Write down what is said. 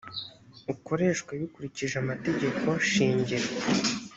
ukoreshwe bikurikije amategeko shingiro